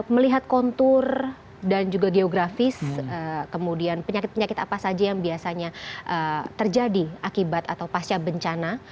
melihat kontur dan juga geografis kemudian penyakit penyakit apa saja yang biasanya terjadi akibat atau pasca bencana